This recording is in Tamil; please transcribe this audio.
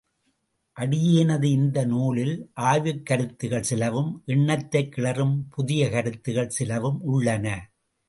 அடியேனது இந்த நூலில் ஆய்வுக் கருத்துகள் சிலவும் எண்ணத்தைக் கிளறும் புதிய கருத்துகள் சிலவும் உள்ளன.